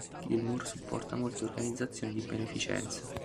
Gilmour supporta molte organizzazioni di beneficenza.